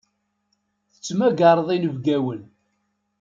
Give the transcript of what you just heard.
Tettmagareḍ inebgawen.